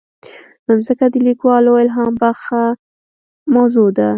مځکه د لیکوالو الهامبخښه موضوع ده.